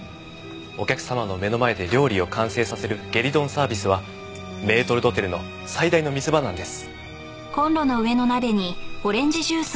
お客様の目の前で料理を完成させるゲリドンサービスはメートル・ドテルの最大の見せ場なんです。